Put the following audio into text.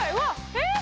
えっ？